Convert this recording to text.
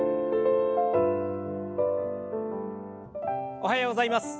おはようございます。